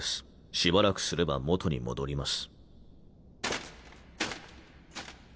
しばらくすれば元に戻ります。